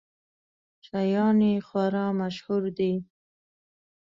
شیان یې خورا مشهور دي.